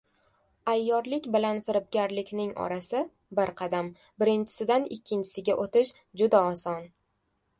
Ayyorlik bilan firibgarlikning orasi — bir qadam, birinchisidan ikkinchisiga o‘tish juda oson: